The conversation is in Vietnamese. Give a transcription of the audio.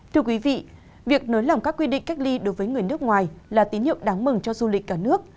thưa quý vị việc nới lỏng các quy định cách ly đối với người nước ngoài là tín hiệu đáng mừng cho du lịch cả nước